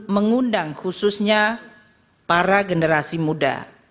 mengundang khususnya para generasi muda